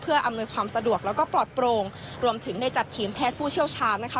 อำนวยความสะดวกแล้วก็ปลอดโปร่งรวมถึงได้จัดทีมแพทย์ผู้เชี่ยวชาญนะคะ